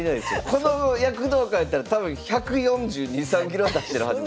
この躍動感やったら多分１４２１４３キロは出してるはず。